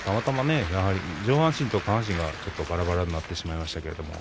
上半身と下半身がばらばらになってしまいました。